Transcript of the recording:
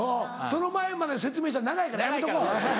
その前まで説明したら長いからやめとこう。